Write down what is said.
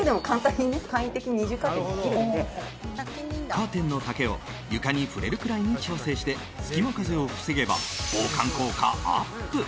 カーテンの丈を床に触れるくらいに調整して隙間風を防げば、防寒効果アップ。